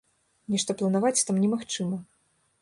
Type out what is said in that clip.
Нешта планаваць там немагчыма.